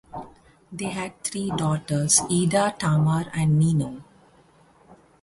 They had three daughters: Ida, Tamar and Nino.